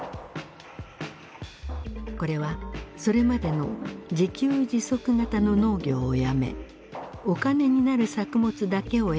これはそれまでの自給自足型の農業をやめお金になる作物だけを選び